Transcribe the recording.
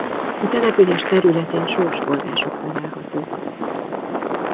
A település területén sós források találhatók.